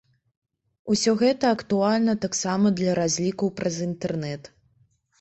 Усё гэта актуальна таксама для разлікаў праз інтэрнэт.